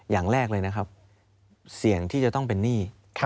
อย่างแรกเลยนะครับเสี่ยงที่จะต้องเป็นหนี้